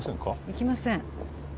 行きません